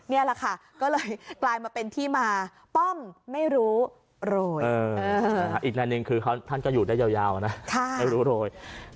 อีกหน่านึงคือท่านก็อยู่ได้ยาวนะไม่รู้โรย